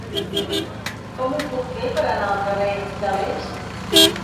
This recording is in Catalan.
Com ho puc fer per anar al carrer de l'Est?